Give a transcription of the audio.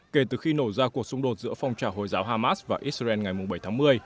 kể từ khi nổ ra cuộc xung đột giữa phong trào hồi giáo hamas và israel ngày bảy tháng một mươi